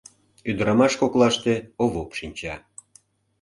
Ӱдырамаш коклаште Овоп шинча.